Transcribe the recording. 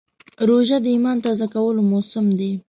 روژه د ایمان تازه کولو موسم دی.